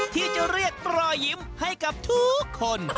ที่จะเรียกรอยยิ้มให้กับทุกคน